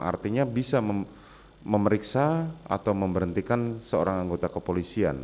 artinya bisa memeriksa atau memberhentikan seorang anggota kepolisian